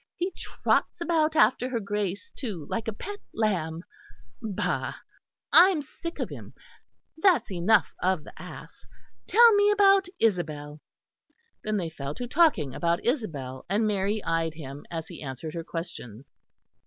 He trots about after her Grace, too, like a pet lamb. Bah! I'm sick of him. That's enough of the ass; tell me about Isabel." Then they fell to talking about Isabel; and Mary eyed him as he answered her questions.